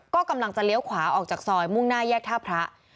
ก็กำลังจะเลี้ยวขวาออกจากซอยมุ่งหน้าแยกท่าพระ